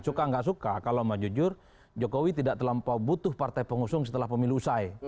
suka atau tidak suka kalau bang jujur jokowi tidak terlampau butuh partai pengusung setelah pemilih usai